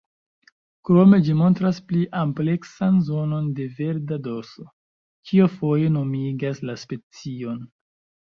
Krome ĝi montras pli ampleksan zonon de verda dorso, kio foje nomigas la specion.